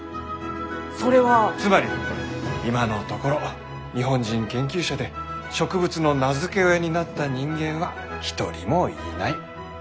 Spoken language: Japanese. つまり今のところ日本人研究者で植物の名付け親になった人間は一人もいない。